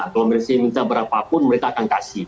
kalau mereka minta berapapun mereka akan kasih